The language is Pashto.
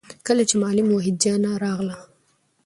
کله چې معلم وحيده جانه راغله